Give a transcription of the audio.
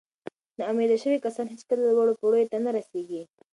ناامیده شوي کسان هیڅکله لوړو پوړیو ته نه رسېږي.